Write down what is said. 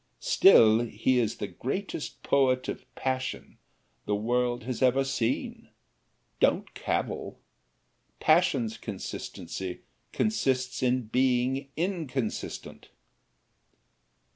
Still he is the greatest poet of passion the world has ever seen don't cavil passion's consistency consists in being inconsistent.